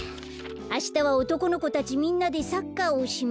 あしたは「おとこの子たちみんなでサッカーをしました」。